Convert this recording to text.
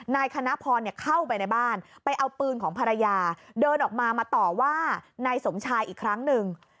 นายคณะพรเข้าไปในบ้านไปเอาปืนของภรรยาเดินออกมามาต่อว่านายสมชายอีกครั้งหนึ่ง